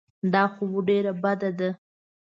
دا خو ډېره بده ده.